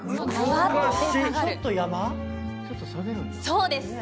そうです！